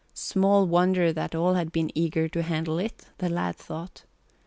Small wonder that all had been eager to handle it, the lad thought.